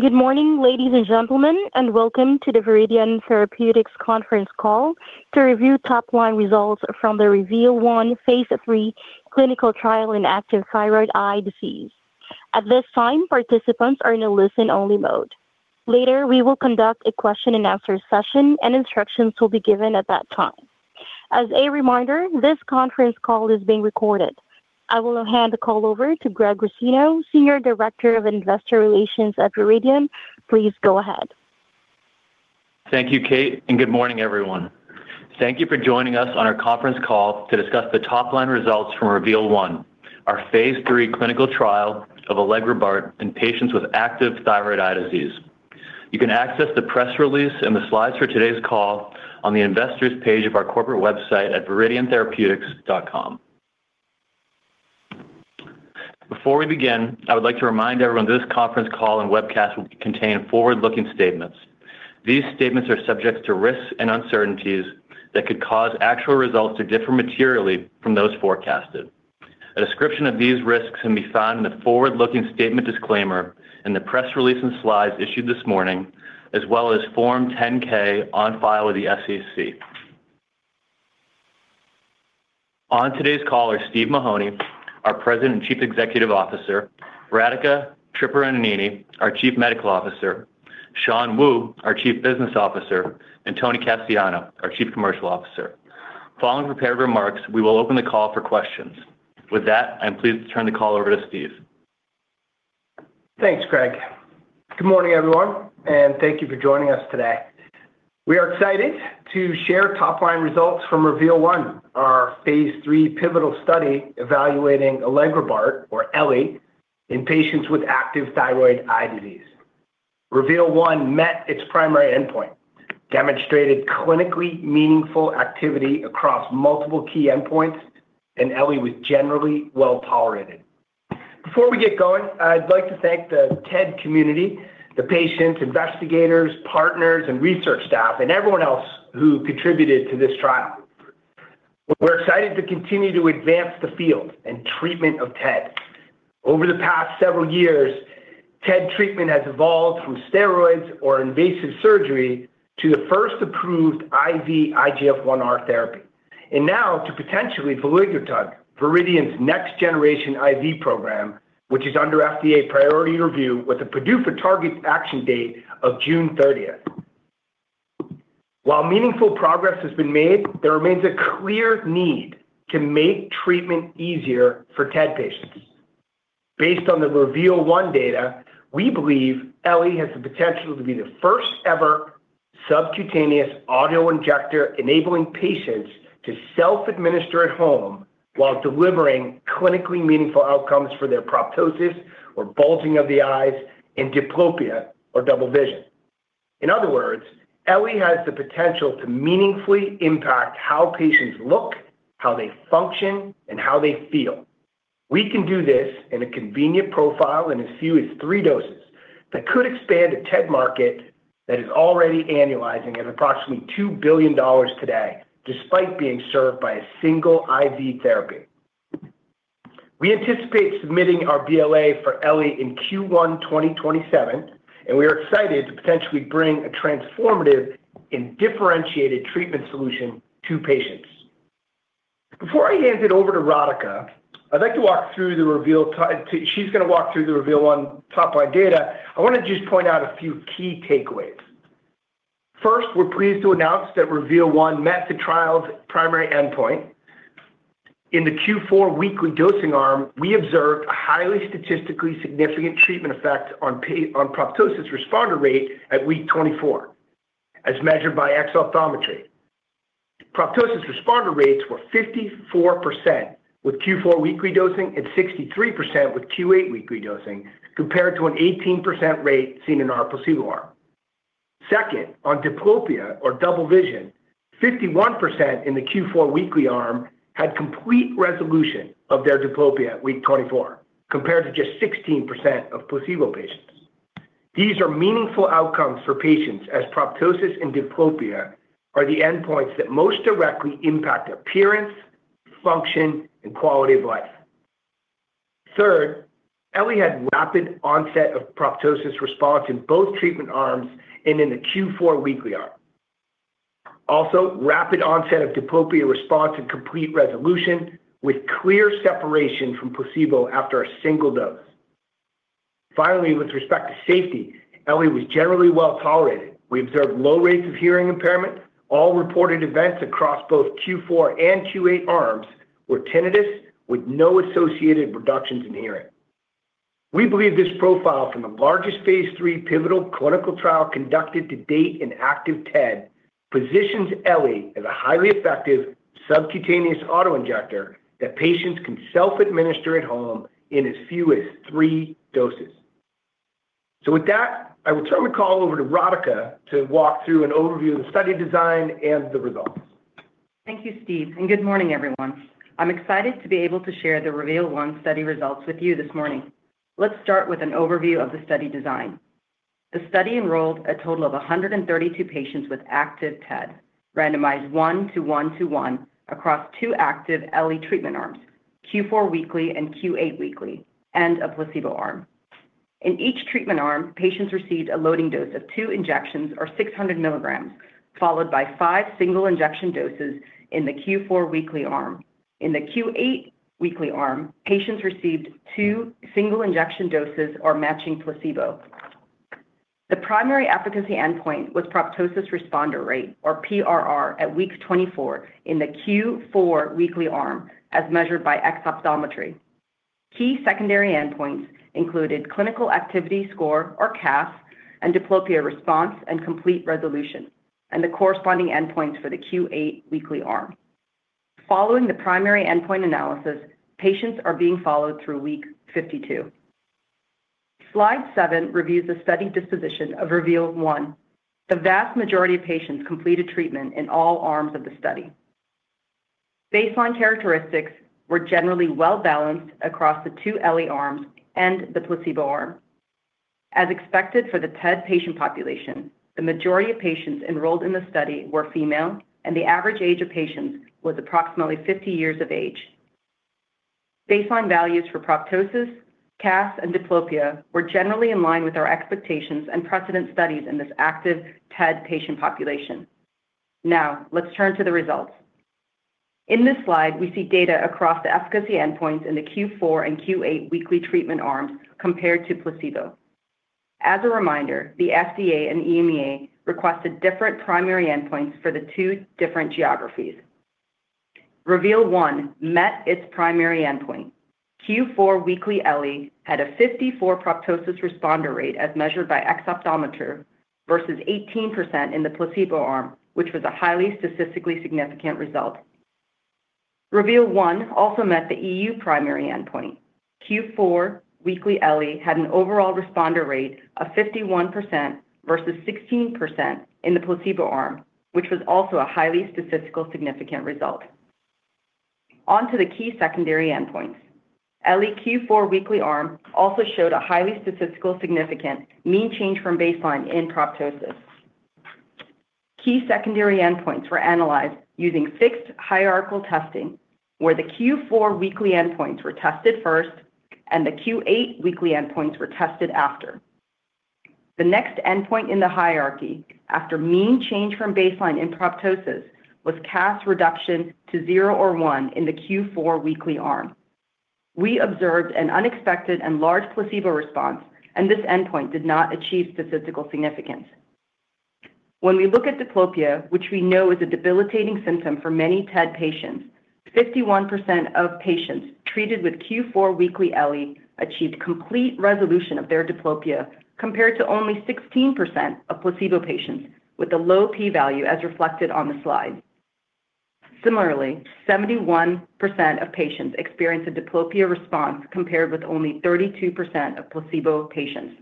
Good morning, ladies and gentlemen, and welcome to the Viridian Therapeutics conference call to review top line results from the REVEAL-1 phase III clinical trial in active thyroid eye disease. At this time, participants are in a listen-only mode. Later, we will conduct a question and answer session and instructions will be given at that time. As a reminder, this conference call is being recorded. I will now hand the call over to Greg Rossino, Senior Director of Investor Relations at Viridian. Please go ahead. Thank you, Kate, and good morning, everyone. Thank you for joining us on our conference call to discuss the top-line results from REVEAL-1, our phase III clinical trial of elegrobart in patients with active thyroid eye disease. You can access the press release and the slides for today's call on the investors page of our corporate website at viridiantherapeutics.com. Before we begin, I would like to remind everyone this conference call and webcast will contain forward-looking statements. These statements are subject to risks and uncertainties that could cause actual results to differ materially from those forecasted. A description of these risks can be found in the forward-looking statement disclaimer in the press release and slides issued this morning, as well as Form 10-K on file with the SEC. On today's call are Steve Mahoney, our President and Chief Executive Officer, Radhika Tripuraneni, our Chief Medical Officer, Shan Wu, our Chief Business Officer, and Tony Casciano, our Chief Commercial Officer. Following prepared remarks, we will open the call for questions. With that, I'm pleased to turn the call over to Steve. Thanks, Greg. Good morning, everyone, and thank you for joining us today. We are excited to share top-line results from REVEAL-1, our phase III pivotal study evaluating elegrobart or ele in patients with active thyroid eye disease. REVEAL-1 met its primary endpoint, demonstrated clinically meaningful activity across multiple key endpoints, and ele was generally well-tolerated. Before we get going, I'd like to thank the TED community, the patients, investigators, partners, and research staff, and everyone else who contributed to this trial. We're excited to continue to advance the field and treatment of TED. Over the past several years, TED treatment has evolved from steroids or invasive surgery to the first approved IV IGF-1R therapy. Now to potentially veligrotug, Viridian's next generation IV program, which is under FDA priority review with a PDUFA target action date of June 30. While meaningful progress has been made, there remains a clear need to make treatment easier for TED patients. Based on the REVEAL-1 data, we believe ele has the potential to be the first ever subcutaneous auto-injector enabling patients to self-administer at home while delivering clinically meaningful outcomes for their proptosis or bulging of the eyes and diplopia or double vision. In other words, ele has the potential to meaningfully impact how patients look, how they function, and how they feel. We can do this in a convenient profile in as few as three doses that could expand a TED market that is already annualizing at approximately $2 billion today, despite being served by a single IV therapy. We anticipate submitting our BLA for ele in Q1 2027, and we are excited to potentially bring a transformative and differentiated treatment solution to patients. Before I hand it over to Radhika, she's going to walk through the REVEAL-1 top-line data. I want to just point out a few key takeaways. First, we're pleased to announce that REVEAL-1 met the trial's primary endpoint. In the Q4 weekly dosing arm, we observed a highly statistically significant treatment effect on proptosis responder rate at week 24, as measured by exophthalmometry. Proptosis responder rates were 54% with Q4 weekly dosing and 63% with Q8 weekly dosing, compared to an 18% rate seen in our placebo arm. Second, on diplopia or double vision, 51% in the Q4 weekly arm had complete resolution of their diplopia at week 24, compared to just 16% of placebo patients. These are meaningful outcomes for patients as proptosis and diplopia are the endpoints that most directly impact appearance, function, and quality of life. Third, ele had rapid onset of proptosis response in both treatment arms and in the Q4 weekly arm. Also, rapid onset of diplopia response and complete resolution with clear separation from placebo after a single dose. Finally, with respect to safety, ele was generally well-tolerated. We observed low rates of hearing impairment. All reported events across both Q4 and Q8 arms were tinnitus with no associated reductions in hearing. We believe this profile from the largest phase III pivotal clinical trial conducted to date in active TED positions ele as a highly effective subcutaneous auto-injector that patients can self-administer at home in as few as three doses. With that, I will turn the call over to Radhika to walk through an overview of the study design and the results. Thank you, Steve, and good morning, everyone. I'm excited to be able to share the REVEAL-1 study results with you this morning. Let's start with an overview of the study design. The study enrolled a total of 132 patients with active TED, randomized one to one to one across two active ele treatment arms, Q4 weekly and Q8 weekly, and a placebo arm. In each treatment arm, patients received a loading dose of two injections or 600 mg, followed by five single injection doses in the Q4 weekly arm. In the Q8 weekly arm, patients received two single injection doses or matching placebo. The primary efficacy endpoint was proptosis responder rate, or PRR, at week 24 in the Q4 weekly arm, as measured by exophthalmometry. Key secondary endpoints included clinical activity score, or CAS, and diplopia response and complete resolution, and the corresponding endpoints for the Q8 weekly arm. Following the primary endpoint analysis, patients are being followed through week 52. Slide seven reviews the study disposition of REVEAL-1. The vast majority of patients completed treatment in all arms of the study. Baseline characteristics were generally well-balanced across the two ele arms and the placebo arm. As expected for the TED patient population, the majority of patients enrolled in the study were female, and the average age of patients was approximately 50 years of age. Baseline values for proptosis, CAS, and diplopia were generally in line with our expectations and precedent studies in this active TED patient population. Now, let's turn to the results. In this slide, we see data across the efficacy endpoints in the Q4 and Q8 weekly treatment arms compared to placebo. As a reminder, the FDA and EMA requested different primary endpoints for the two different geographies. REVEAL-1 met its primary endpoint. Q4 weekly ele had a 54 proptosis responder rate as measured by exophthalmometer versus 18% in the placebo arm, which was a highly statistically significant result. REVEAL-1 also met the EU primary endpoint. Q4 weekly ele had an overall responder rate of 51% versus 16% in the placebo arm, which was also a highly statistically significant result. On to the key secondary endpoints. Ele Q4 weekly arm also showed a highly statistically significant mean change from baseline in proptosis. Key secondary endpoints were analyzed using fixed hierarchical testing where the Q4 weekly endpoints were tested first and the Q8 weekly endpoints were tested after. The next endpoint in the hierarchy after mean change from baseline in proptosis was CAS reduction to 0 or 1 in the Q4 weekly arm. We observed an unexpected and large placebo response, and this endpoint did not achieve statistical significance. When we look at diplopia, which we know is a debilitating symptom for many TED patients, 51% of patients treated with Q4 weekly ele achieved complete resolution of their diplopia compared to only 16% of placebo patients with a low p-value as reflected on the slide. Similarly, 71% of patients experienced a diplopia response compared with only 32% of placebo patients.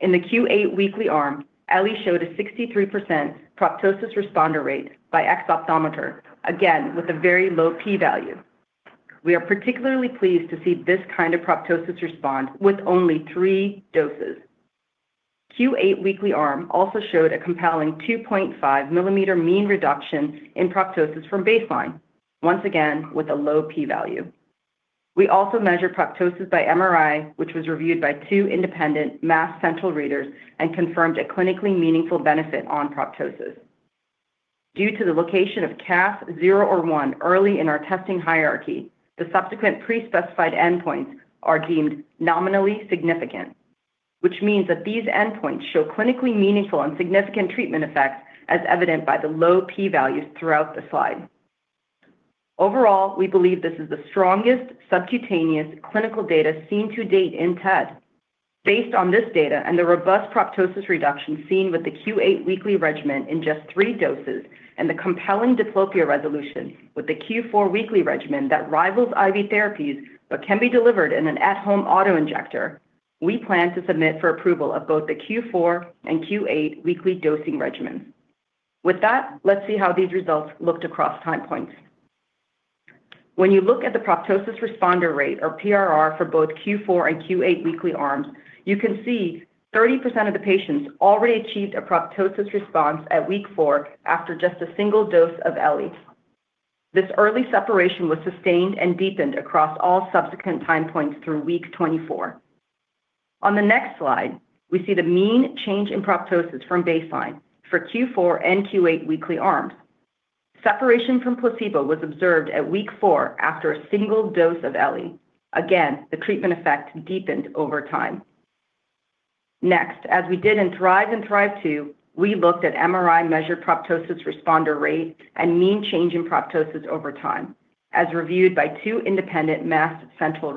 In the Q8 weekly arm, ele showed a 63% proptosis responder rate by exophthalmometer, again with a very low p-value. We are particularly pleased to see this kind of proptosis response with only three doses. Q8 weekly arm also showed a compelling 2.5 mm mean reduction in proptosis from baseline, once again, with a low p-value. We also measured proptosis by MRI, which was reviewed by two independent masked central readers and confirmed a clinically meaningful benefit on proptosis. Due to the location of CAS 0 or 1 early in our testing hierarchy, the subsequent pre-specified endpoints are deemed nominally significant, which means that these endpoints show clinically meaningful and significant treatment effects as evident by the low p-values throughout the slide. Overall, we believe this is the strongest subcutaneous clinical data seen to date in TED. Based on this data and the robust proptosis reduction seen with the Q8 weekly regimen in just three doses and the compelling diplopia resolution with the Q4 weekly regimen that rivals IV therapies but can be delivered in an at-home auto-injector, we plan to submit for approval of both the Q4 and Q8 weekly dosing regimens. With that, let's see how these results looked across time points. When you look at the proptosis responder rate or PRR for both Q4 and Q8 weekly arms, you can see 30% of the patients already achieved a proptosis response at week four after just a single dose of ele. This early separation was sustained and deepened across all subsequent time points through week 24. On the next slide, we see the mean change in proptosis from baseline for Q4 and Q8 weekly arms. Separation from placebo was observed at week four after a single dose of ele. Again, the treatment effect deepened over time. Next, as we did in THRIVE and THRIVE-2, we looked at MRI-measured proptosis responder rate and mean change in proptosis over time as reviewed by two independent masked central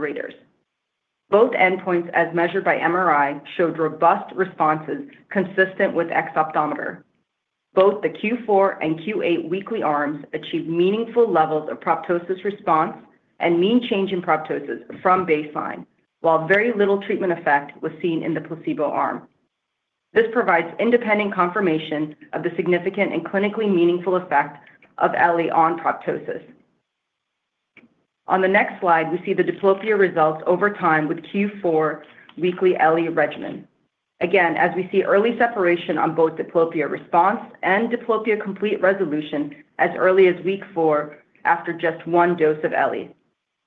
readers. Both endpoints as measured by MRI showed robust responses consistent with exophthalmometer. Both the Q4 and Q8 weekly arms achieved meaningful levels of proptosis response and mean change in proptosis from baseline, while very little treatment effect was seen in the placebo arm. This provides independent confirmation of the significant and clinically meaningful effect of ele on proptosis. On the next slide, we see the diplopia results over time with Q4 weekly ele regimen. Again, as we see early separation on both diplopia response and diplopia complete resolution as early as week four after just one dose of ele.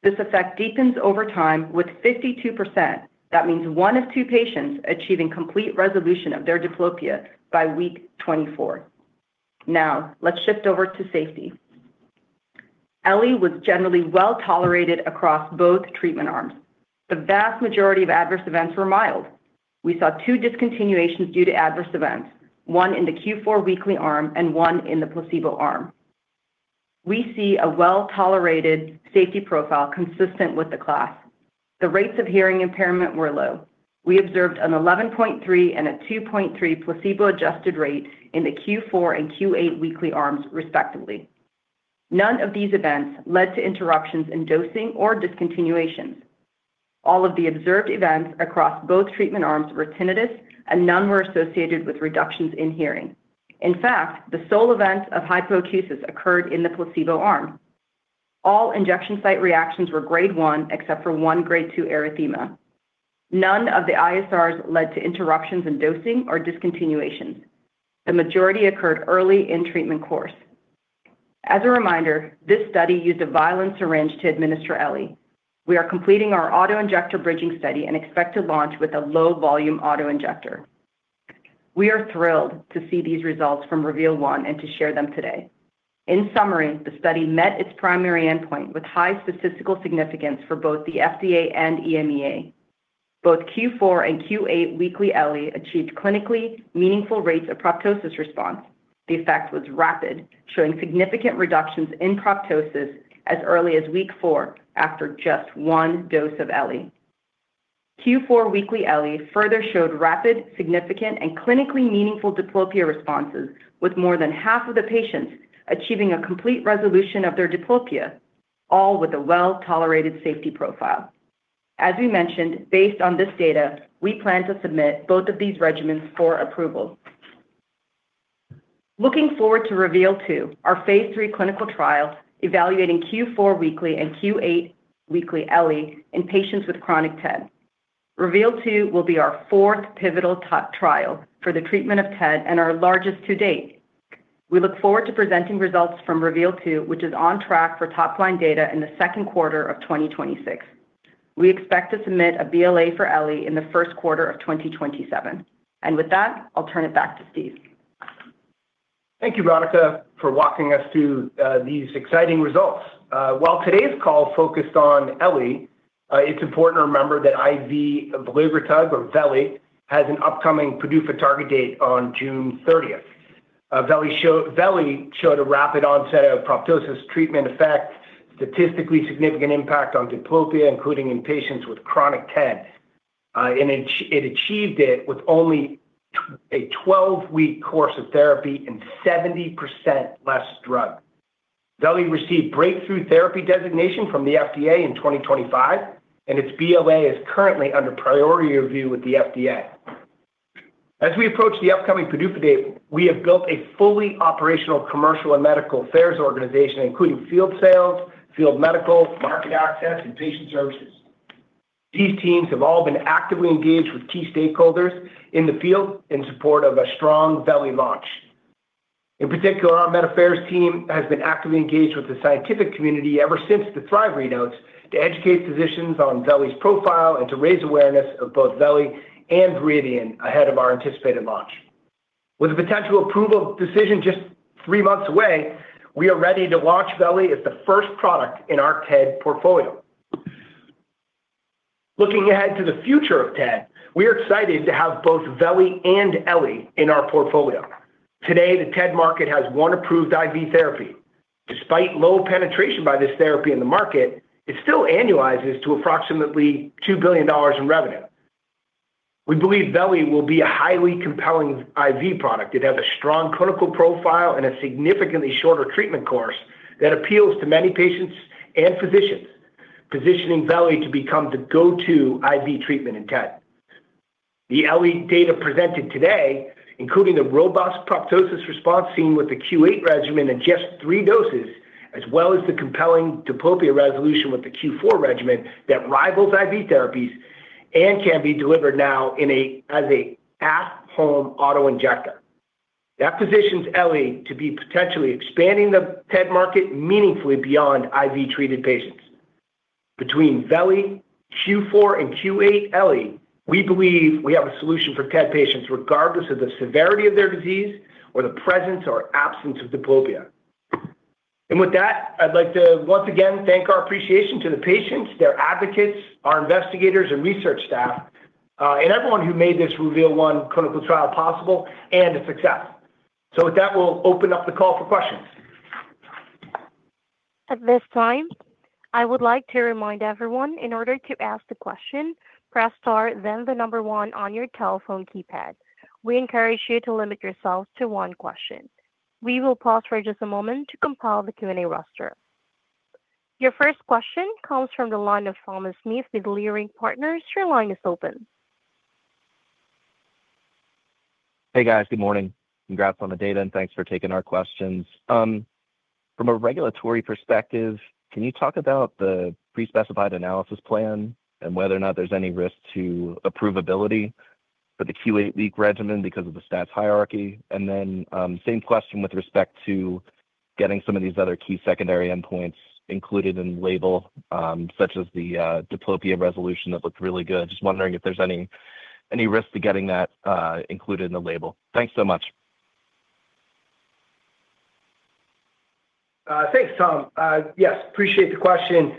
This effect deepens over time with 52%. That means one of two patients achieving complete resolution of their diplopia by week 24. Now, let's shift over to safety. Ele was generally well-tolerated across both treatment arms. The vast majority of adverse events were mild. We saw two discontinuations due to adverse events, one in the Q4 weekly arm and one in the placebo arm. We see a well-tolerated safety profile consistent with the class. The rates of hearing impairment were low. We observed an 11.3% and a 2.3% placebo-adjusted rate in the Q4 and Q8 weekly arms, respectively. None of these events led to interruptions in dosing or discontinuations. All of the observed events across both treatment arms were tinnitus, and none were associated with reductions in hearing. In fact, the sole event of hypoacusis occurred in the placebo arm. All injection site reactions were grade 1 except for one grade 2 erythema. None of the ISRs led to interruptions in dosing or discontinuation. The majority occurred early in treatment course. As a reminder, this study used a vial and syringe to administer ele. We are completing our auto-injector bridging study and expect to launch with a low-volume auto-injector. We are thrilled to see these results from REVEAL-1 and to share them today. In summary, the study met its primary endpoint with high statistical significance for both the FDA and EMA. Both Q4 and Q8 weekly ele achieved clinically meaningful rates of proptosis response. The effect was rapid, showing significant reductions in proptosis as early as week four after just one dose of ele. Q4 weekly ele further showed rapid, significant, and clinically meaningful diplopia responses, with more than half of the patients achieving a complete resolution of their diplopia, all with a well-tolerated safety profile. As we mentioned, based on this data, we plan to submit both of these regimens for approval. Looking forward to REVEAL-2, our phase III clinical trial evaluating Q4 weekly and Q8 weekly ele in patients with chronic TED. REVEAL-2 will be our fourth pivotal trial for the treatment of TED and our largest to date. We look forward to presenting results from REVEAL-2, which is on track for top-line data in the second quarter of 2026. We expect to submit a BLA for ele in the first quarter of 2027. With that, I'll turn it back to Steve. Thank you, Radhika, for walking us through these exciting results. While today's call focused on ele, it's important to remember that IV veligrotug, or veli, has an upcoming PDUFA target date on June 30. Veli showed a rapid onset of proptosis treatment effect, statistically significant impact on diplopia, including in patients with chronic TED. It achieved it with only a 12-week course of therapy and 70% less drug. Veli received breakthrough therapy designation from the FDA in 2025, and its BLA is currently under priority review with the FDA. As we approach the upcoming PDUFA date, we have built a fully operational commercial and medical affairs organization, including field sales, field medical, market access, and patient services. These teams have all been actively engaged with key stakeholders in the field in support of a strong Veli launch. In particular, our med affairs team has been actively engaged with the scientific community ever since the THRIVE readouts to educate physicians on veli's profile and to raise awareness of both veli and Viridian ahead of our anticipated launch. With a potential approval decision just three months away, we are ready to launch veli as the first product in our TED portfolio. Looking ahead to the future of TED, we are excited to have both veli and ele in our portfolio. Today, the TED market has one approved IV therapy. Despite low penetration by this therapy in the market, it still annualizes to approximately $2 billion in revenue. We believe veli will be a highly compelling IV product. It has a strong clinical profile and a significantly shorter treatment course that appeals to many patients and physicians, positioning veli to become the go-to IV treatment in TED. The ele data presented today, including the robust proptosis response seen with the Q8 regimen in just three doses, as well as the compelling diplopia resolution with the Q4 regimen that rivals IV therapies and can be delivered now as an at-home auto-injector. That positions ele to be potentially expanding the TED market meaningfully beyond IV-treated patients. Between veli, Q4, and Q8 ele, we believe we have a solution for TED patients regardless of the severity of their disease or the presence or absence of diplopia. With that, I'd like to, once again, express our appreciation to the patients, their advocates, our investigators and research staff, and everyone who made this REVEAL-1 clinical trial possible and a success. With that, we'll open up the call for questions. At this time, I would like to remind everyone in order to ask the question, press star then one on your telephone keypad. We encourage you to limit yourselves to one question. We will pause for just a moment to compile the Q&A roster. Your first question comes from the line of Thomas Smith with Leerink Partners. Your line is open. Hey guys, good morning. Congrats on the data, and thanks for taking our questions. From a regulatory perspective, can you talk about the pre-specified analysis plan and whether or not there's any risk to approvability for the Q8 week regimen because of the stats hierarchy? Same question with respect to getting some of these other key secondary endpoints included in label, such as the diplopia resolution that looked really good. Just wondering if there's any risk to getting that included in the label. Thanks so much. Thanks, Tom. Yes, appreciate the question.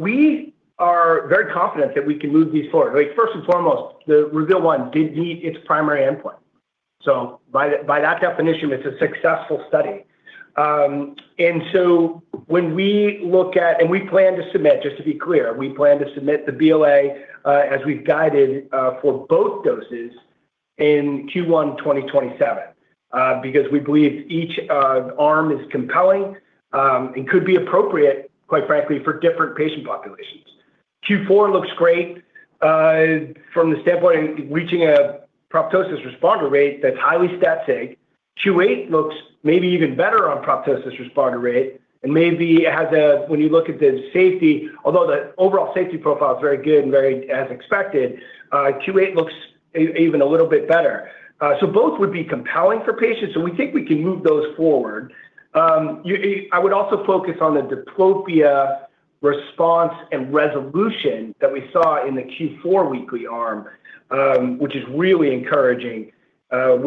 We are very confident that we can move these forward. Like, first and foremost, the REVEAL-1 did meet its primary endpoint, so by that definition, it's a successful study. We plan to submit, just to be clear, the BLA, as we've guided, for both doses in Q1 2027, because we believe each arm is compelling, and could be appropriate, quite frankly, for different patient populations. Q4 looks great, from the standpoint of reaching a proptosis responder rate that's highly statistically significant. Q8 looks maybe even better on proptosis responder rate. When you look at the safety, although the overall safety profile is very good and as expected, Q8 looks even a little bit better. Both would be compelling for patients, so we think we can move those forward. I would also focus on the diplopia response and resolution that we saw in the Q4 weekly arm, which is really encouraging. When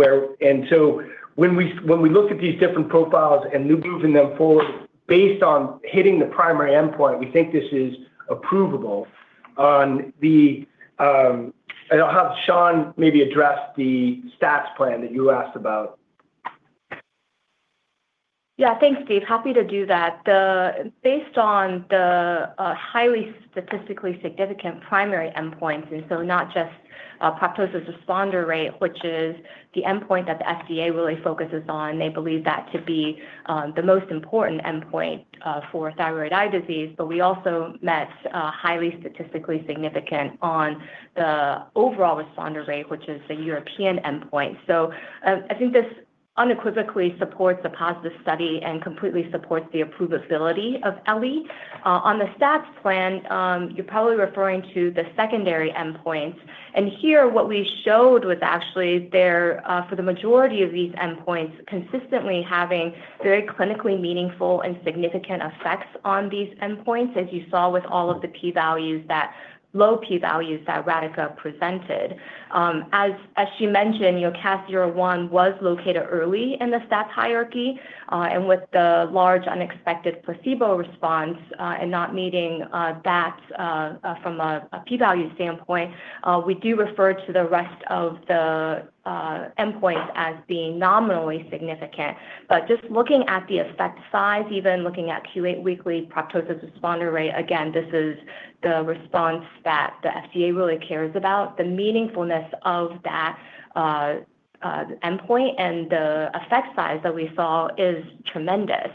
we look at these different profiles and moving them forward based on hitting the primary endpoint, we think this is approvable. I'll have Shan maybe address the stats plan that you asked about. Yeah. Thanks, Steve. Happy to do that. Based on the highly statistically significant primary endpoints, not just proptosis responder rate, which is the endpoint that the FDA really focuses on, they believe that to be the most important endpoint for thyroid eye disease. We also met highly statistically significant on the overall responder rate, which is the European endpoint. I think this unequivocally supports a positive study and completely supports the approvability of ele. On the stats plan, you're probably referring to the secondary endpoints. Here, what we showed was actually there for the majority of these endpoints, consistently having very clinically meaningful and significant effects on these endpoints, as you saw with all of the low p-values that Radhika presented. As she mentioned, you know, CAS 01 was located early in the stats hierarchy, and with the large unexpected placebo response, and not meeting that from a p-value standpoint, we do refer to the rest of the endpoints as being nominally significant. Just looking at the effect size, even looking at Q8 weekly proptosis responder rate, again, this is the response that the FDA really cares about, the meaningfulness of that endpoint and the effect size that we saw is tremendous.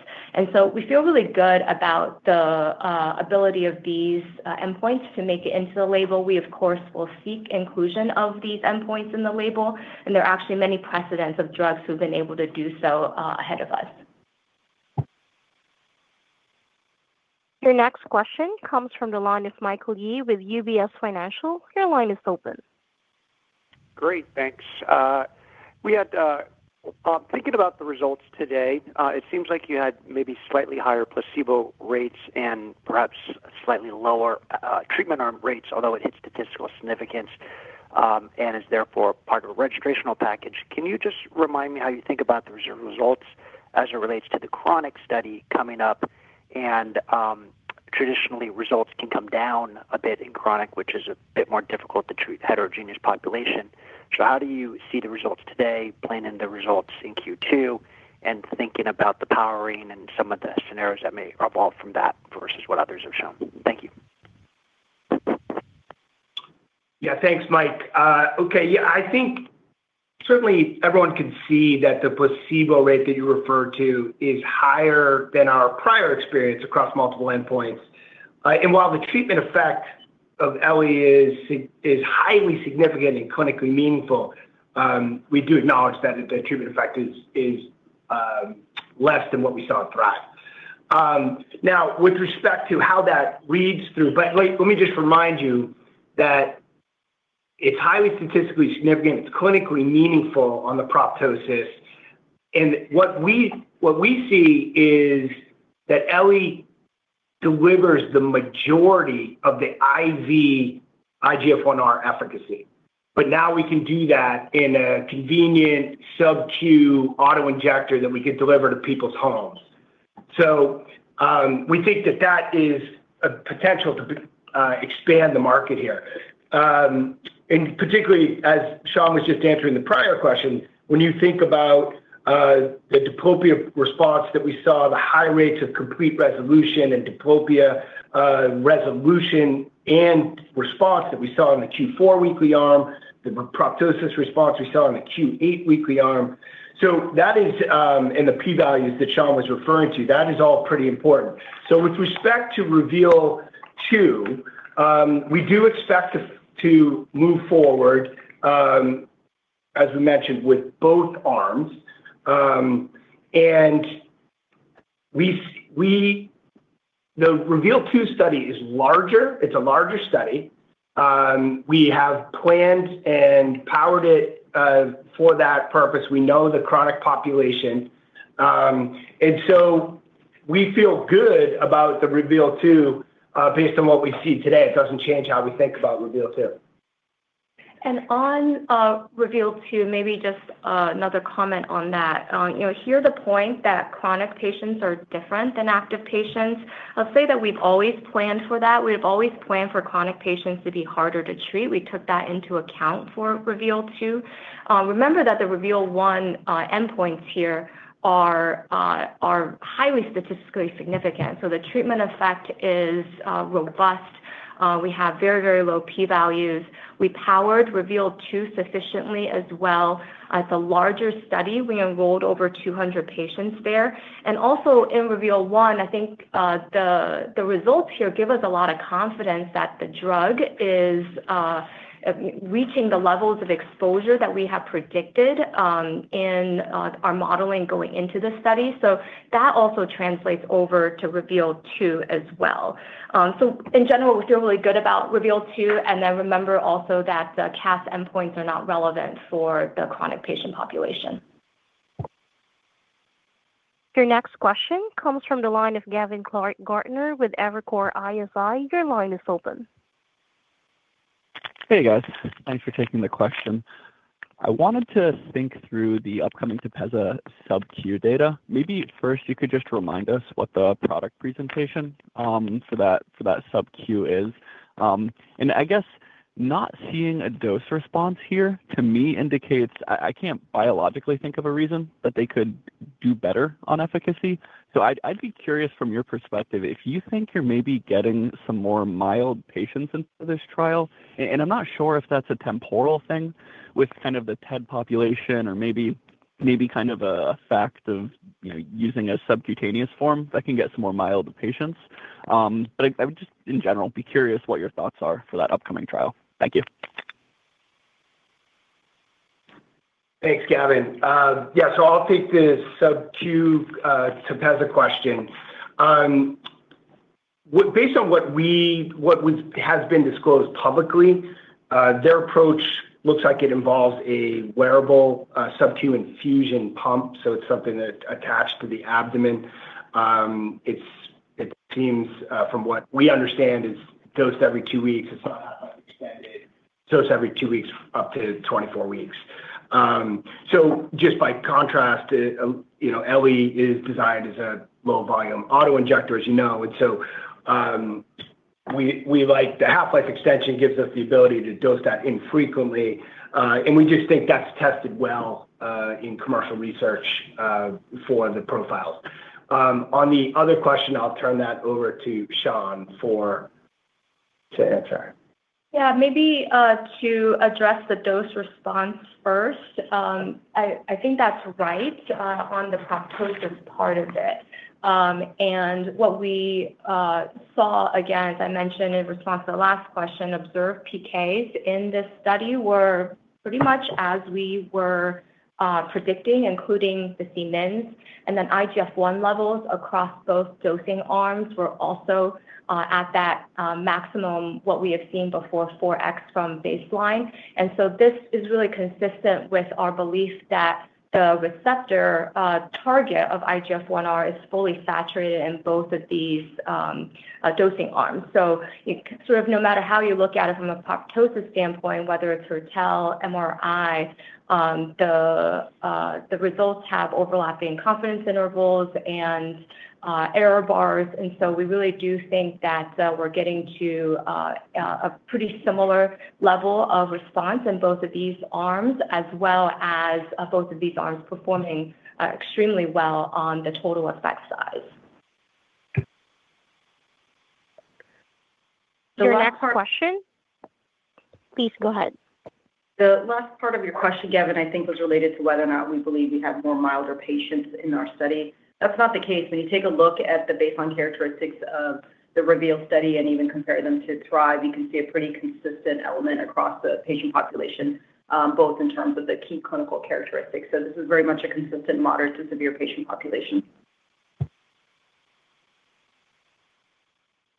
We feel really good about the ability of these endpoints to make it into the label. We, of course, will seek inclusion of these endpoints in the label, and there are actually many precedents of drugs who've been able to do so ahead of us. Your next question comes from the line of Michael Yee with UBS. Your line is open. Great. Thanks. Thinking about the results today, it seems like you had maybe slightly higher placebo rates and perhaps slightly lower treatment arm rates, although it hit statistical significance, and is therefore part of a registrational package. Can you just remind me how you think about the results as it relates to the chronic study coming up? Traditionally, results can come down a bit in chronic, which is a bit more difficult to treat heterogeneous population. How do you see the results today playing in the results in Q2 and thinking about the powering and some of the scenarios that may evolve from that versus what others have shown? Thank you. Yeah. Thanks, Mike. Okay. Yeah, I think certainly everyone can see that the placebo rate that you refer to is higher than our prior experience across multiple endpoints. While the treatment effect of ele is highly significant and clinically meaningful, we do acknowledge that the treatment effect is less than what we saw in THRIVE. Now, with respect to how that reads through, let me just remind you that it's highly statistically significant. It's clinically meaningful on the proptosis. What we see is that ele delivers the majority of the IV IGF-1 efficacy. Now, we can do that in a convenient sub-Q auto-injector that we could deliver to people's homes. We think that is a potential to expand the market here. Particularly, as Shan was just answering the prior question, when you think about the diplopia response that we saw, the high rates of complete resolution and diplopia resolution and response that we saw in the Q4 weekly arm, the proptosis response we saw in the Q8 weekly arm, that is, the p-values that Shan was referring to, that is all pretty important. With respect to REVEAL-2, we do expect to move forward, as we mentioned, with both arms. The REVEAL-2 study is larger. It's a larger study. We have planned and powered it for that purpose. We know the chronic population. We feel good about the REVEAL-2 based on what we see today. It doesn't change how we think about REVEAL-2. On REVEAL-2, maybe just another comment on that. You know, here's the point that chronic patients are different than active patients. I'll say that we've always planned for that. We've always planned for chronic patients to be harder to treat. We took that into account for REVEAL-2. Remember that the REVEAL-1 endpoints here are highly statistically significant, so the treatment effect is robust. We have very, very low p-values. We powered REVEAL-2 sufficiently as well. As a larger study, we enrolled over 200 patients there. Also in REVEAL-1, I think the results here give us a lot of confidence that the drug is reaching the levels of exposure that we have predicted in our modeling going into the study. That also translates over to REVEAL-2 as well. In general, we feel really good about REVEAL-2. Then remember also that the CAF endpoints are not relevant for the chronic patient population. Your next question comes from the line of Gavin Clark-Gartner with Evercore ISI. Your line is open. Hey, guys. Thanks for taking the question. I wanted to think through the upcoming TEPEZZA subQ data. Maybe at first you could just remind us what the product presentation for that subQ is. I guess not seeing a dose response here, to me, indicates I can't biologically think of a reason that they could do better on efficacy. I'd be curious from your perspective if you think you're maybe getting some more mild patients into this trial. I'm not sure if that's a temporal thing with kind of the TED population or maybe kind of a fact of, you know, using a subcutaneous form that can get some more milder patients. I would just in general be curious what your thoughts are for that upcoming trial. Thank you. Thanks, Gavin. Yeah, so I'll take the subQ TEPEZZA question. Based on what we've has been disclosed publicly, their approach looks like it involves a wearable subQ infusion pump, so it's something that attached to the abdomen. It's, it seems, from what we understand is dosed every two weeks. It's not extended. Dosed every two weeks up to 24 weeks. Just by contrast, you know, ele is designed as a low volume auto-injector, as you know. We like the half-life extension gives us the ability to dose that infrequently. We just think that's tested well in commercial research for the profiles. On the other question, I'll turn that over to Shan to answer. Yeah, maybe to address the dose response first, I think that's right on the proptosis part of it. What we saw, again, as I mentioned in response to the last question, observed PKs in this study were pretty much as we were predicting, including the Cmin. IGF-1 levels across both dosing arms were also at that maximum what we have seen before, 4x from baseline. This is really consistent with our belief that the receptor target of IGF-1R is fully saturated in both of these dosing arms. No matter how you look at it from proptosis standpoint, whether it's Hertel, MRI, the results have overlapping confidence intervals and error bars. We really do think that we're getting to a pretty similar level of response in both of these arms, as well as both of these arms performing extremely well on the total effect size. Your next question. Please go ahead. The last part of your question, Gavin, I think was related to whether or not we believe we have more milder patients in our study. That's not the case. When you take a look at the baseline characteristics of the REVEAL study and even compare them to THRIVE, you can see a pretty consistent element across the patient population, both in terms of the key clinical characteristics. This is very much a consistent moderate to severe patient population.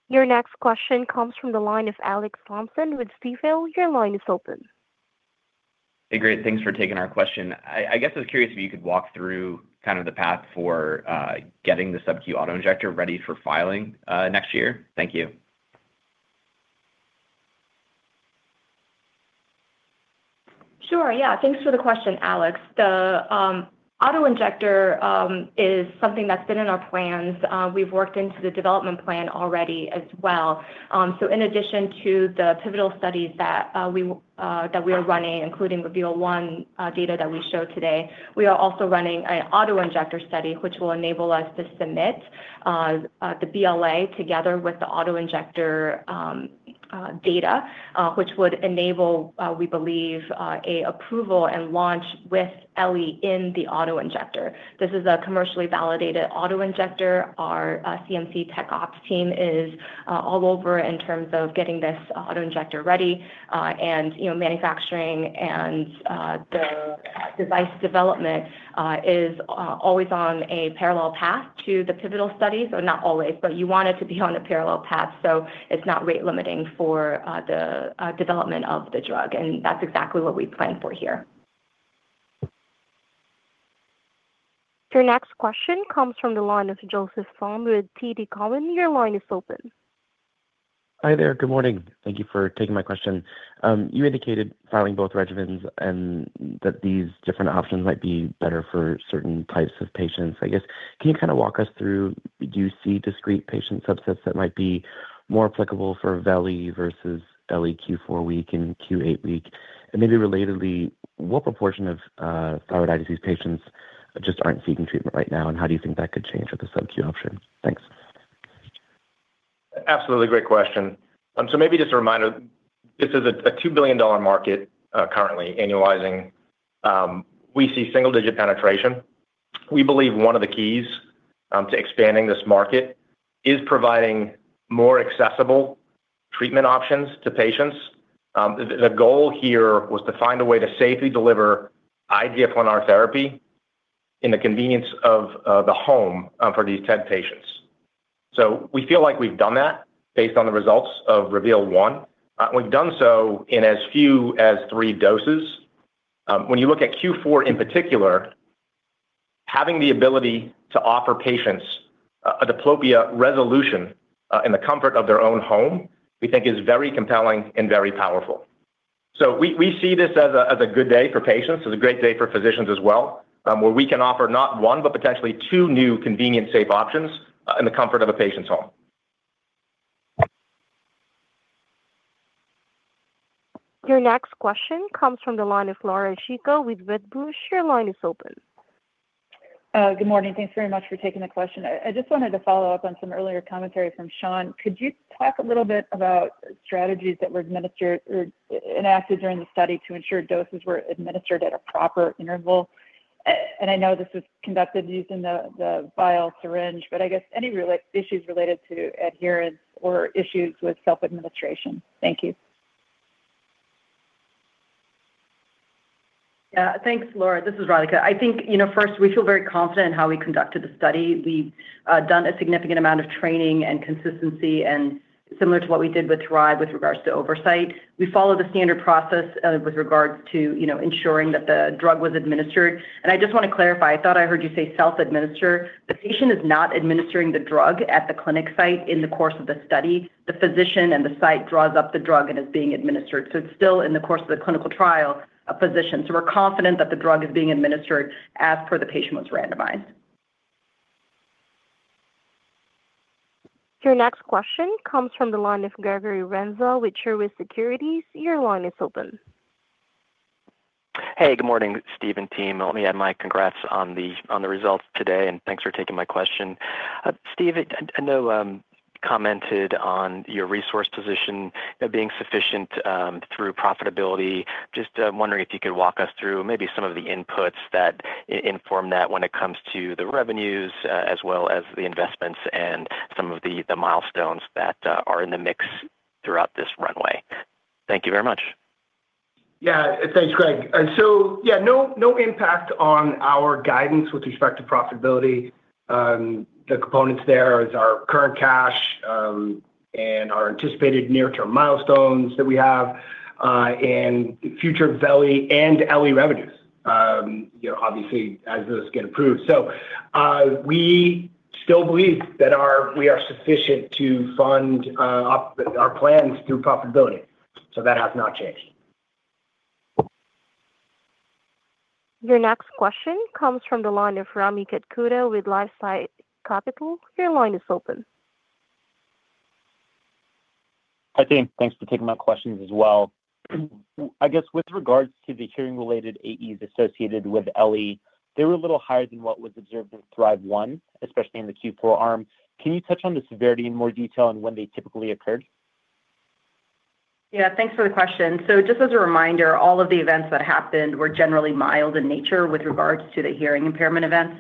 Your next question comes from the line of Alex Thompson with Stifel. Your line is open. Hey, great. Thanks for taking our question. I guess I was curious if you could walk through kind of the path for getting the subQ auto-injector ready for filing next year. Thank you. Sure, yeah. Thanks for the question, Alex. The auto-injector is something that's been in our plans. We've worked into the development plan already as well. In addition to the pivotal studies that we are running, including REVEAL-1 data that we showed today, we are also running an auto-injector study, which will enable us to submit the BLA together with the auto-injector data, which would enable, we believe, an approval and launch with ele in the auto-injector. This is a commercially validated auto-injector. Our CMC tech ops team is all over it in terms of getting this auto-injector ready, and you know, manufacturing and the device development is always on a parallel path to the pivotal study. Not always, but you want it to be on a parallel path, so it's not rate limiting for the development of the drug. That's exactly what we plan for here. Your next question comes from the line of Joseph Thome with TD Cowen. Your line is open. Hi there. Good morning. Thank you for taking my question. You indicated filing both regimens and that these different options might be better for certain types of patients. I guess, can you kind of walk us through, do you see discrete patient subsets that might be more applicable for veli versus ele Q4 week and Q8 week? Maybe relatedly, what proportion of thyroid eye disease patients just aren't seeking treatment right now, and how do you think that could change with the subQ option? Thanks. Absolutely. Great question. Maybe just a reminder, this is a $2 billion market currently annualizing. We see single digit penetration. We believe one of the keys to expanding this market is providing more accessible treatment options to patients. The goal here was to find a way to safely deliver IGF-1R therapy in the convenience of the home for these TED patients. We feel like we've done that based on the results of REVEAL-1. We've done so in as few as three doses. When you look at Q4 in particular, having the ability to offer patients a diplopia resolution in the comfort of their own home, we think is very compelling and very powerful. We see this as a good day for patients. It's a great day for physicians as well, where we can offer not one, but potentially two new convenient, safe options, in the comfort of a patient's home. Your next question comes from the line of Laura Chico with Wedbush. Your line is open. Good morning. Thanks very much for taking the question. I just wanted to follow up on some earlier commentary from Shan. Could you talk a little bit about strategies that were administered or enacted during the study to ensure doses were administered at a proper interval? I know this was conducted using the vial and syringe, but I guess any related issues related to adherence or issues with self-administration. Thank you. Yeah. Thanks, Laura. This is Radhika. I think, you know, first we feel very confident in how we conducted the study. We've done a significant amount of training and consistency and similar to what we did with THRIVE with regards to oversight. We followed the standard process with regards to, you know, ensuring that the drug was administered. I just wanna clarify, I thought I heard you say self administer. The patient is not administering the drug at the clinic site in the course of the study. The physician and the site draws up the drug and is being administered. It's still in the course of the clinical trial, a physician. We're confident that the drug is being administered as per the patient was randomized. Your next question comes from the line of Gregory Renza with Truist Securities. Your line is open. Hey, good morning, Steve and team. Let me add my congrats on the results today, and thanks for taking my question. Steve, I know you commented on your resource position, you know, being sufficient through profitability. Just wondering if you could walk us through maybe some of the inputs that inform that when it comes to the revenues as well as the investments and some of the milestones that are in the mix throughout this runway. Thank you very much. Yeah. Thanks, Greg. No impact on our guidance with respect to profitability. The components there is our current cash and our anticipated near-term milestones that we have and future veli and ele revenues, you know, obviously as those get approved. We still believe that we are sufficient to fund our plans through profitability. That has not changed. Your next question comes from the line of Rami Katkhuda with LifeSci Capital. Your line is open. Hi, team. Thanks for taking my questions as well. I guess with regards to the hearing-related AEs associated with ele, they were a little higher than what was observed in THRIVE-1, especially in the Q4W arm. Can you touch on the severity in more detail and when they typically occurred? Yeah, thanks for the question. Just as a reminder, all of the events that happened were generally mild in nature with regards to the hearing impairment events.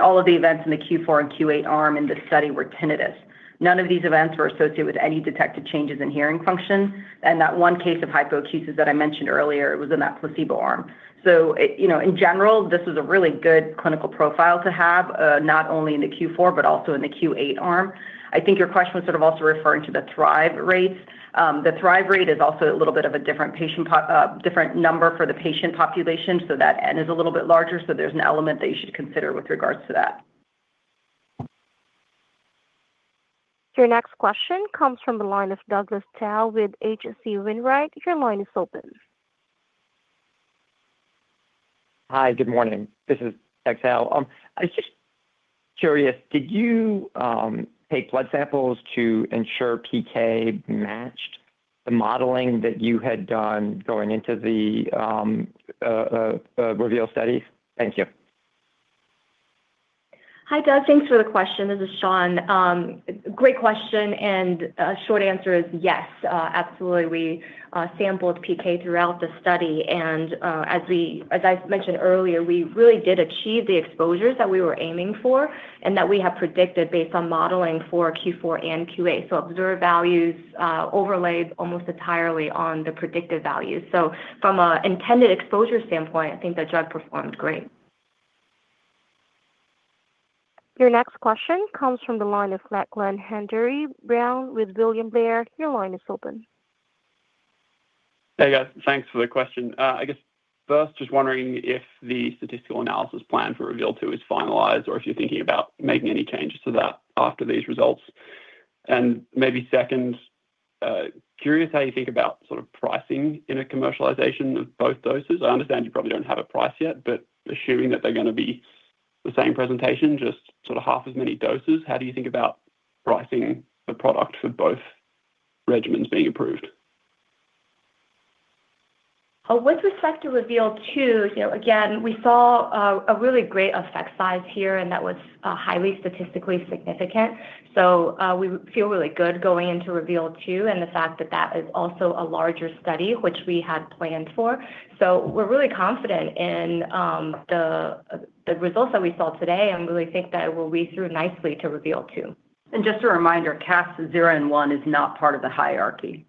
All of the events in the Q4 and Q8 arm in this study were tinnitus. None of these events were associated with any detected changes in hearing function, and that one case of hypoacusis that I mentioned earlier, it was in that placebo arm. It, you know, in general, this is a really good clinical profile to have, not only in the Q4, but also in the Q8 arm. I think your question was sort of also referring to the THRIVE rates. The THRIVE rate is also a little bit of a different number for the patient population, so that N is a little bit larger, so there's an element that you should consider with regards to that. Your next question comes from the line of Douglas Tsao with H.C. Wainwright. Your line is open. Hi, good morning. This is Doug Tsao. I was just curious, did you take blood samples to ensure PK matched the modeling that you had done going into the REVEAL studies? Thank you. Hi, Doug. Thanks for the question. This is Shan. Great question. Short answer is yes, absolutely. We sampled PK throughout the study, and as I mentioned earlier, we really did achieve the exposures that we were aiming for and that we have predicted based on modeling for Q4 and Q8. Observed values overlaid almost entirely on the predicted values. From an intended exposure standpoint, I think the drug performed great. Your next question comes from the line of Lachlan Hanbury-Brown with William Blair. Your line is open. Hey, guys. Thanks for the question. I guess first, just wondering if the statistical analysis plan for REVEAL-2 is finalized or if you're thinking about making any changes to that after these results. Maybe second, curious how you think about sort of pricing in a commercialization of both doses. I understand you probably don't have a price yet, but assuming that they're gonna be the same presentation, just sort of half as many doses, how do you think about pricing the product for both regimens being approved? With respect to REVEAL-2, you know, again, we saw a really great effect size here, and that was highly statistically significant. We feel really good going into REVEAL-2 and the fact that that is also a larger study, which we had planned for. We're really confident in the results that we saw today and really think that it will read through nicely to REVEAL-2. Just a reminder, CAS 0 and 1 is not part of the hierarchy.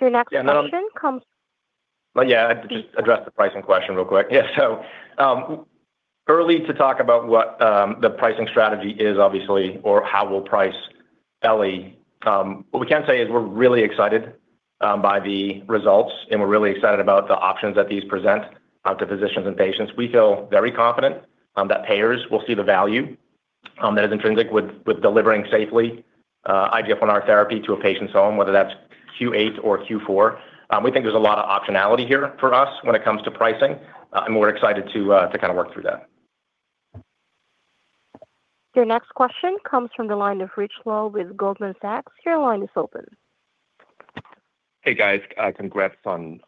Your next question comes. To just address the pricing question real quick, so early to talk about what the pricing strategy is obviously or how we'll price ele. What we can say is we're really excited by the results, and we're really excited about the options that these present to physicians and patients. We feel very confident that payers will see the value that is intrinsic with delivering safely IGF-1R therapy to a patient's home, whether that's Q8 or Q4. We think there's a lot of optionality here for us when it comes to pricing, and we're excited to kinda work through that. Your next question comes from the line of Rich Law with Goldman Sachs. Your line is open. Hey, guys. Congrats on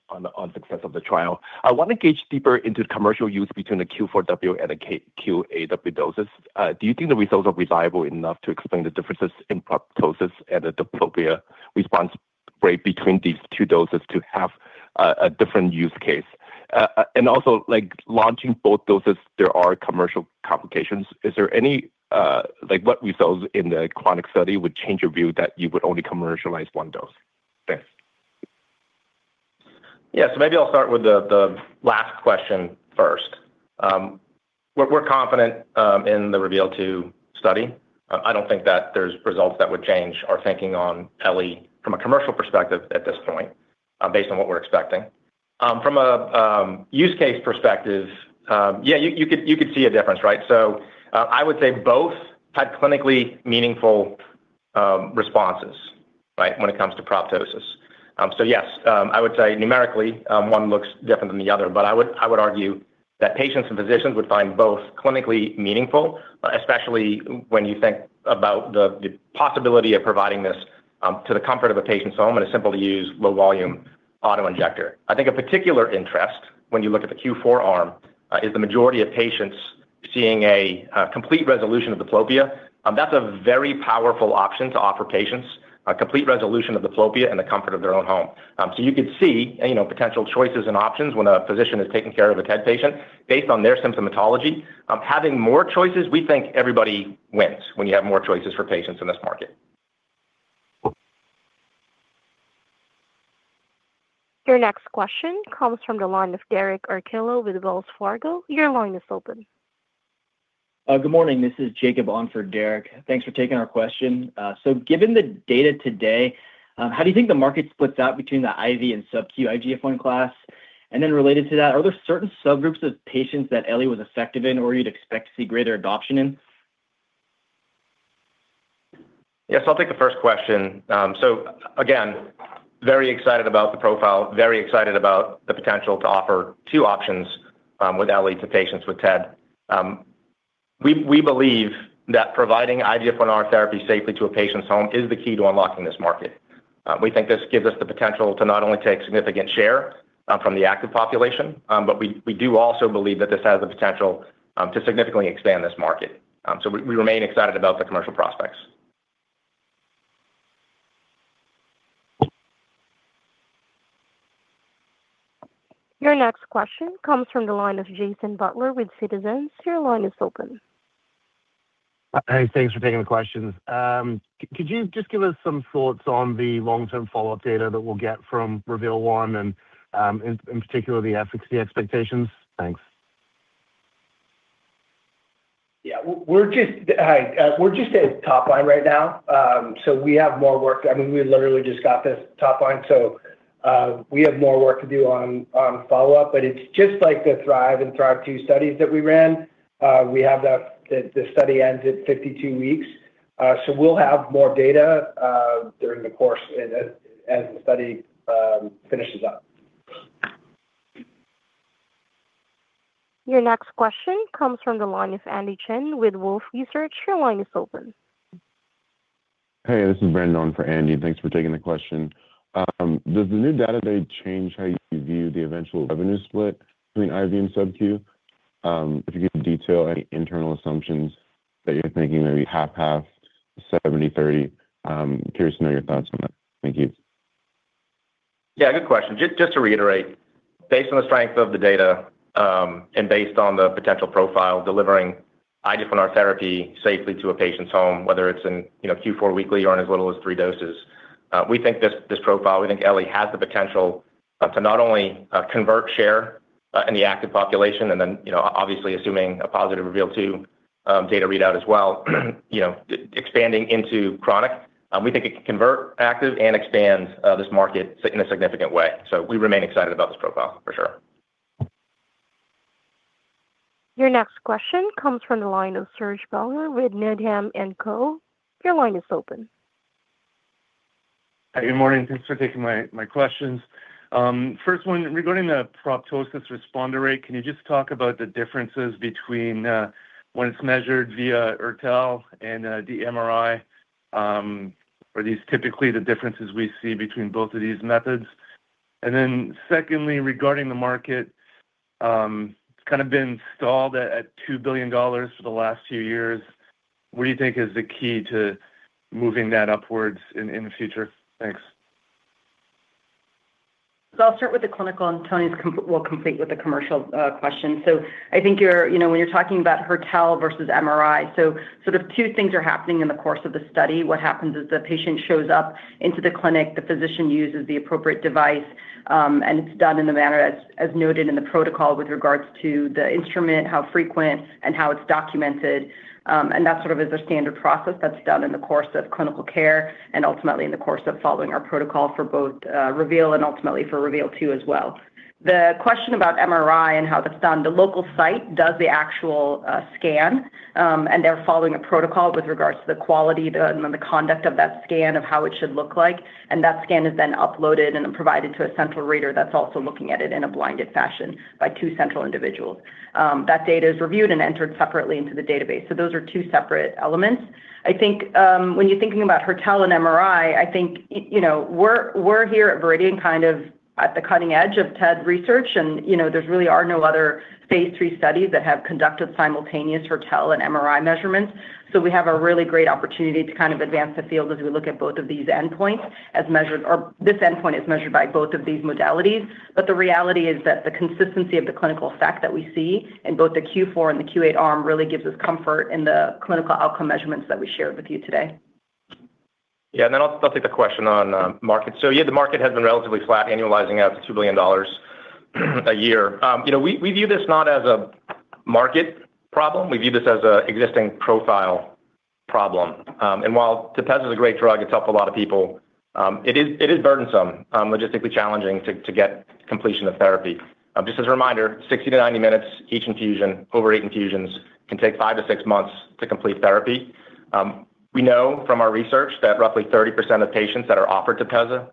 success of the trial. I wanna gauge deeper into commercial use between the Q4W and the Q8W doses. Do you think the results are reliable enough to explain the differences in proptosis and the diplopia response rate between these two doses to have a different use case? And also, like, launching both doses, there are commercial complications. What results in the chronic study would change your view that you would only commercialize one dose? Thanks. Yeah. Maybe I'll start with the last question first. We're confident in the REVEAL-2 study. I don't think that there's results that would change our thinking on ele from a commercial perspective at this point, based on what we're expecting. From a use case perspective, yeah, you could see a difference, right? I would say both had clinically meaningful responses, right, when it comes to proptosis. Yes, I would say numerically, one looks different than the other, but I would argue that patients and physicians would find both clinically meaningful, especially when you think about the possibility of providing this to the comfort of a patient's home in a simple-to-use, low-volume auto-injector. I think a particular interest when you look at the Q4 arm is the majority of patients seeing a complete resolution of diplopia. That's a very powerful option to offer patients, a complete resolution of diplopia in the comfort of their own home. You could see potential choices and options when a physician is taking care of a TED patient based on their symptomatology. Having more choices, we think everybody wins when you have more choices for patients in this market. Your next question comes from the line of Derek Archila with Wells Fargo. Your line is open. Good morning. This is Jacob on for Derek. Thanks for taking our question. Given the data today, how do you think the market splits out between the IV and subQ IGF-1 class? Related to that, are there certain subgroups of patients that ele was effective in or you'd expect to see greater adoption in? Yes, I'll take the first question. Again, very excited about the profile, very excited about the potential to offer two options with ele to patients with TED. We believe that providing IGF-1R therapy safely to a patient's home is the key to unlocking this market. We think this gives us the potential to not only take significant share from the active population, but we do also believe that this has the potential to significantly expand this market. We remain excited about the commercial prospects. Your next question comes from the line of Jason Butler with Citizens. Your line is open. Hey, thanks for taking the questions. Could you just give us some thoughts on the long-term follow-up data that we'll get from REVEAL-1 and, in particular, the efficacy expectations? Thanks. We're just at top-line right now. We have more work. I mean, we literally just got this top-line, so we have more work to do on follow-up, but it's just like the THRIVE and THRIVE-2 studies that we ran. The study ends at 52 weeks. We'll have more data during the course and as the study finishes up. Your next question comes from the line of Andy Chen with Wolfe Research. Your line is open. Hey, this is Brandon for Andy. Thanks for taking the question. Does the new database change how you view the eventual revenue split between IV and subQ? If you could detail any internal assumptions that you're thinking, maybe 50/50, 70/30. I'm curious to know your thoughts on that. Thank you. Yeah, good question. Just to reiterate, based on the strength of the data, and based on the potential profile delivering IGF-1R therapy safely to a patient's home, whether it's in, you know, Q4 weekly or in as little as three doses, we think this profile, ele has the potential to not only convert share in the active population and then, you know, obviously assuming a positive REVEAL-2 data readout as well, you know, expanding into chronic. We think it can convert active and expand this market in a significant way. We remain excited about this profile for sure. Your next question comes from the line of Serge Belanger with Needham & Co. Your line is open. Good morning. Thanks for taking my questions. First one, regarding the proptosis responder rate, can you just talk about the differences between when it's measured via Hertel and the MRI? Are these typically the differences we see between both of these methods? Then secondly, regarding the market, it's kind of been stalled at $2 billion for the last few years. What do you think is the key to moving that upwards in the future? Thanks. I'll start with the clinical, and Tony will complete with the commercial question. I think you know, when you're talking about Hertel versus MRI, sort of two things are happening in the course of the study. What happens is the patient shows up into the clinic, the physician uses the appropriate device, and it's done in a manner as noted in the protocol with regard to the instrument, how frequent, and how it's documented. That sort of is a standard process that's done in the course of clinical care and ultimately in the course of following our protocol for both REVEAL and ultimately for REVEAL-2 as well. The question about MRI and how that's done, the local site does the actual scan, and they're following a protocol with regards to the quality and the conduct of that scan of how it should look like. That scan is then uploaded and provided to a central reader that's also looking at it in a blinded fashion by two central individuals. That data is reviewed and entered separately into the database. Those are two separate elements. I think, when you're thinking about Hertel and MRI, I think, you know, we're here at Viridian, kind of at the cutting edge of TED research. You know, there's really no other phase III studies that have conducted simultaneous Hertel and MRI measurements. We have a really great opportunity to kind of advance the field as we look at both of these endpoints as measured or this endpoint is measured by both of these modalities. The reality is that the consistency of the clinical effect that we see in both the Q4 and the Q8 arm really gives us comfort in the clinical outcome measurements that we shared with you today. Yeah. Then I'll take the question on market. Yeah, the market has been relatively flat, annualizing out to $2 billion a year. You know, we view this not as a market problem. We view this as an existing profile problem. While TEPEZZA is a great drug, it's helped a lot of people. It is burdensome, logistically challenging to get completion of therapy. Just as a reminder, 60-90 minutes each infusion over eight infusions can take five to six months to complete therapy. We know from our research that roughly 30% of patients that are offered TEPEZZA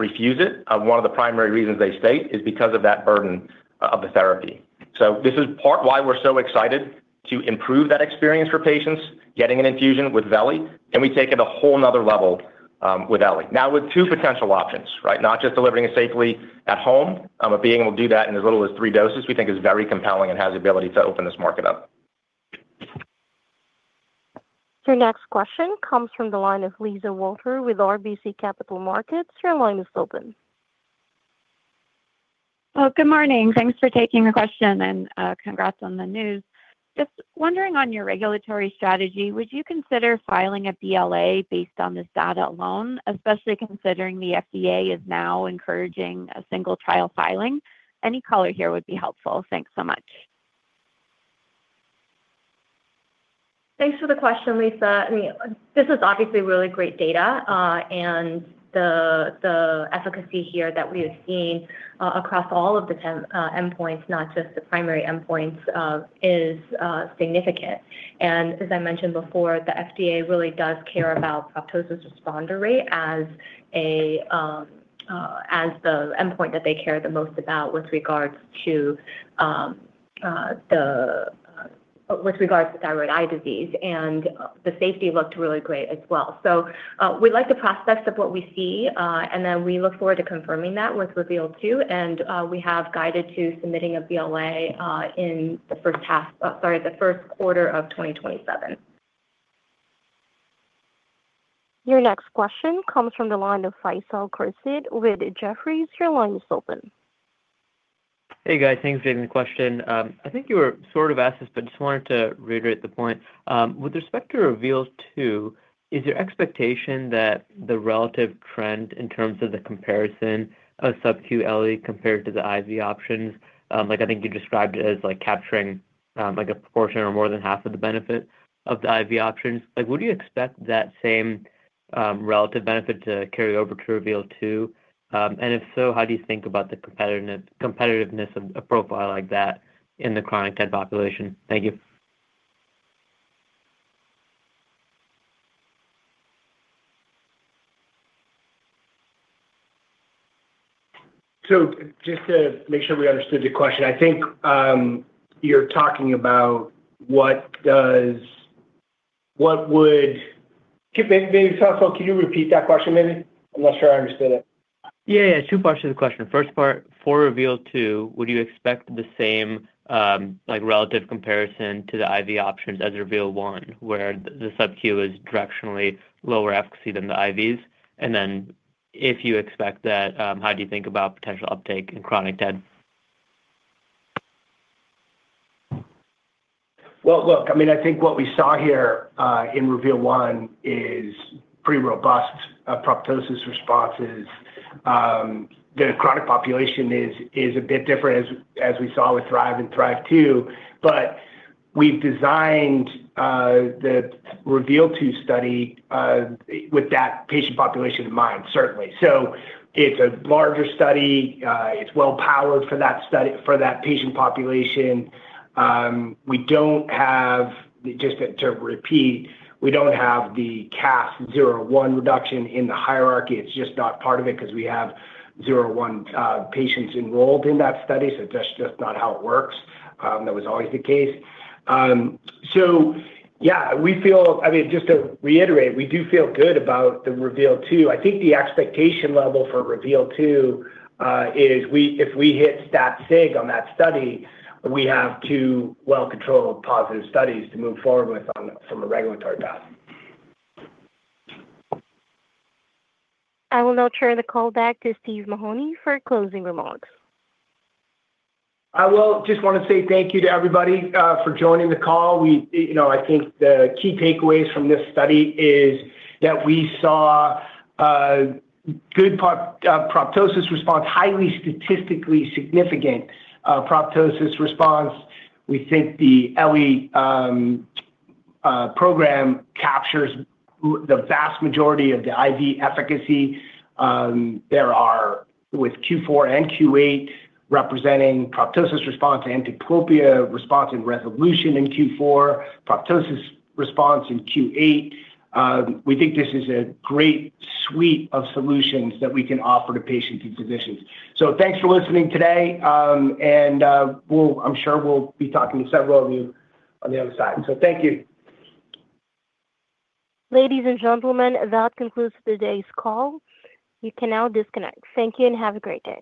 refuse it. One of the primary reasons they state is because of that burden of the therapy. This is part why we're so excited to improve that experience for patients getting an infusion with veli, and we take it a whole another level, with ele. Now, with two potential options, right? Not just delivering it safely at home, but being able to do that in as little as three doses, we think is very compelling and has the ability to open this market up. Your next question comes from the line of Lisa Walter with RBC Capital Markets. Your line is open. Well, good morning. Thanks for taking the question and, congrats on the news. Just wondering on your regulatory strategy, would you consider filing a BLA based on this data alone, especially considering the FDA is now encouraging a single trial filing? Any color here would be helpful. Thanks so much. Thanks for the question, Lisa. I mean, this is obviously really great data, and the efficacy here that we have seen across all of the endpoints, not just the primary endpoints, is significant. As I mentioned before, the FDA really does care about proptosis responder rate as the endpoint that they care the most about with regards to thyroid eye disease. The safety looked really great as well. We like the prospects of what we see, and then we look forward to confirming that with REVEAL-2. We have guided to submitting a BLA in the first quarter of 2027. Your next question comes from the line of Faisal Khurshid with Jefferies. Your line is open. Hey, guys. Thanks for taking the question. I think you were sort of asked this, but just wanted to reiterate the point. With respect to REVEAL-2, is your expectation that the relative trend in terms of the comparison of subQ ele compared to the IV options, like I think you described it as like capturing, like a portion or more than half of the benefit of the IV options, like, would you expect that same relative benefit to carry over to REVEAL-2? And if so, how do you think about the competitiveness of a profile like that in the chronic TED population? Thank you. Just to make sure we understood the question. Maybe Faisal, can you repeat that question maybe? I'm not sure I understood it. Yeah. Two parts to the question. First part, for REVEAL-2, would you expect the same, like, relative comparison to the IV options as REVEAL-1, where the subQ is directionally lower efficacy than the IVs? And then if you expect that, how do you think about potential uptake in chronic TED? Well, look, I mean, I think what we saw here in REVEAL-1 is pretty robust proptosis responses. The chronic population is a bit different as we saw with THRIVE and THRIVE-2. We've designed the REVEAL-2 study with that patient population in mind, certainly. It's a larger study. It's well powered for that study, for that patient population. Just to repeat, we don't have the CAS 0-1 reduction in the hierarchy. It's just not part of it 'cause we have 0-1 patients enrolled in that study, so that's just not how it works. That was always the case. Yeah, I mean, just to reiterate, we do feel good about the REVEAL-2. I think the expectation level for REVEAL-2 is if we hit stat sig on that study, we have two well-controlled positive studies to move forward with on from a regulatory path. I will now turn the call back to Steve Mahoney for closing remarks. I will just wanna say thank you to everybody for joining the call. We, you know, I think the key takeaways from this study is that we saw a good proptosis response, highly statistically significant proptosis response. We think the ele program captures the vast majority of the IV efficacy. There, with Q4 and Q8 representing proptosis response and diplopia response and resolution in Q4, proptosis response in Q8. We think this is a great suite of solutions that we can offer to patients and physicians. Thanks for listening today, and I'm sure we'll be talking to several of you on the other side. Thank you. Ladies and gentlemen, that concludes today's call. You can now disconnect. Thank you and have a great day.